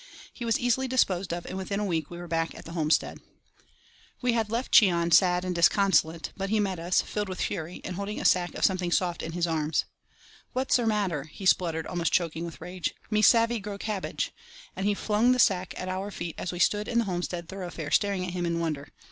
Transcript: He was easily disposed of, and within a week we were back at the homestead. We had left Cheon sad and disconsolate, but he met us, filled with fury, and holding a sack of something soft in his arms. "What's 'er matter?" he spluttered, almost choking with rage. "Me savey grow cabbage"; and he flung the sack at our feet as we stood in the homestead thoroughfare staring at him in wonder.